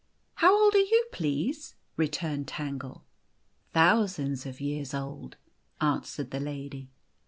" How old are you, please ?" returned Tangle. " Thousands of years old," answered the lady.